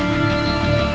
aku akan menang